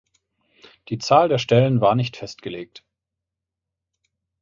Die Zahl der Stellen war nicht festgelegt.